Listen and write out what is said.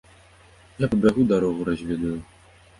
Я пабягу дарогу разведаю.